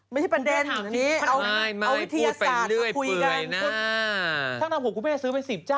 ไม่ใช่ปัญญาณอย่างนี้เอาวิทยาศาสตร์คุยกันทั้งทั้ง๖คุณเป้ยซื้อไป๑๐จ้า